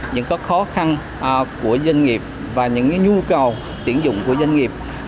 những khó khăn của doanh nghiệp và những nhu cầu tuyển dụng của doanh nghiệp